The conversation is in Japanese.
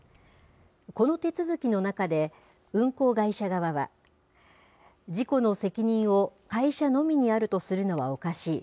この手続きの中で、運航会社側は、事故の責任を会社のみにあるとするのはおかしい。